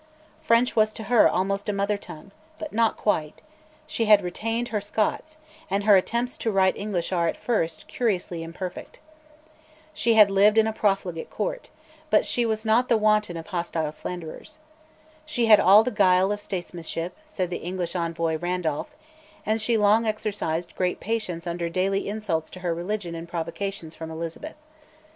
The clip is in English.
French was to her almost a mother tongue, but not quite; she had retained her Scots, and her attempts to write English are, at first, curiously imperfect. She had lived in a profligate Court, but she was not the wanton of hostile slanders. She had all the guile of statesmanship, said the English envoy, Randolph; and she long exercised great patience under daily insults to her religion and provocations from Elizabeth.